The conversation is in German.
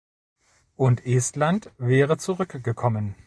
Und Estland wäre zurück gekommen.